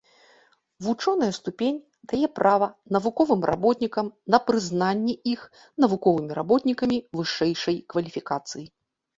Вучоная ступень дае права навуковым работнікам на прызнанне іх навуковымі работнікамі вышэйшай кваліфікацыі.